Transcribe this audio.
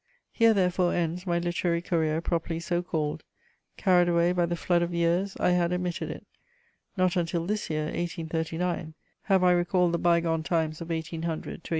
Here, therefore, ends my literary career properly so called; carried away by the flood of years, I had omitted it; not until this year, 1839, have I recalled the bygone times of 1800 to 1814.